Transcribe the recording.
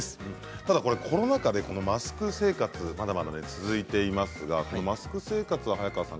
ただコロナ禍でマスク生活がまだまだ続いていますがマスク生活は早川さん